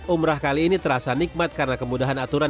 umrah kali ini terasa nikmat karena kemudahan aturan